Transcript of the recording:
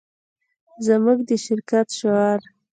زموږ د شرکت شعار